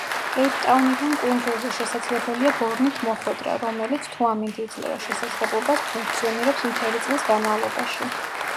კეიპტაუნიდან კუნძულზე შესაძლებელია ბორნით მოხვედრა, რომელიც, თუ ამინდი იძლევა შესაძლებლობას, ფუნქციონირებს მთელი წლის განმავლობაში.